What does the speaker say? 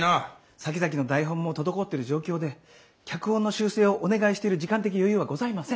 さきざきの台本も滞ってる状況で脚本の修正をお願いしてる時間的余裕はございません。